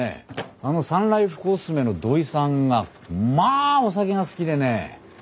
あのサンライフコスメの土井さんがまあお酒が好きでね。